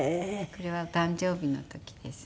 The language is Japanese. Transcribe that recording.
これは誕生日の時ですね。